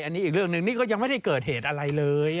อันนี้อีกเรื่องหนึ่งนี่ก็ยังไม่ได้เกิดเหตุอะไรเลย